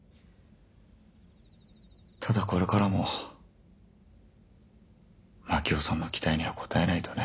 ただこれからも真樹夫さんの期待には応えないとね。